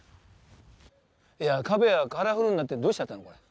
壁はカラフルになってどうしちゃったのこれ。